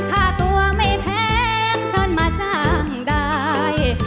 ถ้าตัวไม่แพงเชิญมาจ้างได้